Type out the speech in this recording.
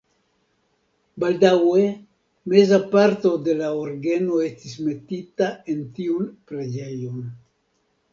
Baldaŭe meza parto de la orgeno estis metita en tiun preĝejon.